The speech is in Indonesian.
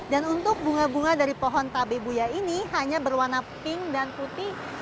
dan untuk bunga bunga dari pohon tabe buya ini hanya berwarna pink dan putih